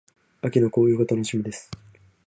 秋の紅葉が楽しみです。